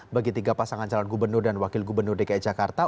bagi tiga pasangan calon gubernur dan wakil gubernur dki jakarta